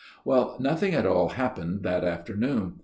" Well, nothing at all happened that afternoon.